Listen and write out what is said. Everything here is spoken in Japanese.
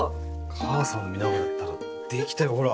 母さん見ながらやったらできたよほら。